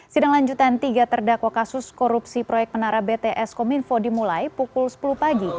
sidang lanjutan tiga terdakwa kasus korupsi proyek menara bts kominfo dimulai pukul sepuluh pagi